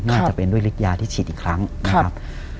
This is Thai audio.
จะเป็นด้วยฤทธิยาที่ฉีดอีกครั้งนะครับ